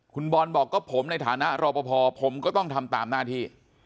คุณบอลบอกก็ผมในฐานะรอปภผมก็ต้องทำตามหน้าที่